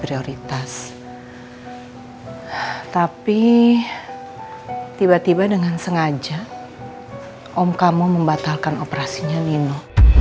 prioritas tapi tiba tiba dengan sengaja om kamu membatalkan operasinya nino